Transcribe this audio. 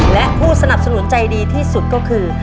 และผู้สนับสนุนใจดีที่สุดก็คือ